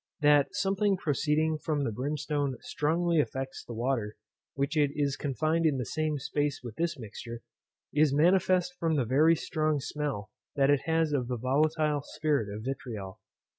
That something proceeding from the brimstone strongly affects the water which is confined in the same place with this mixture, is manifest from the very strong smell that it has of the volatile spirit of vitriol.